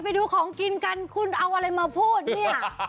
ไปดูของกินกันคุณเอาอะไรมาพูดเนี่ย